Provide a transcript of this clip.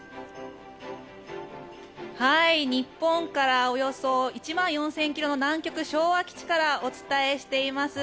日本からおよそ１万４０００ｋｍの南極・昭和基地からお伝えしています。